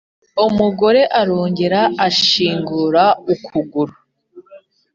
Umugore arongera ashingura ukuguru